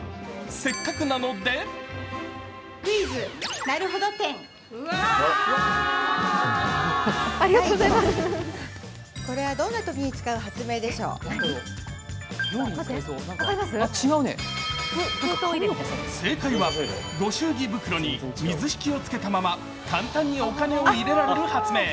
せっかくなので正解は、ご祝儀袋に水引をつけたまま簡単にお金を入れられる発明。